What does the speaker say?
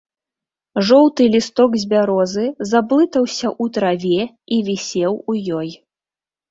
Жоўты лісток з бярозы заблытаўся ў траве і вісеў у ёй.